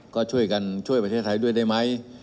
ก็ช่วยกันช่วยประเทศไทยด้วยได้ไหม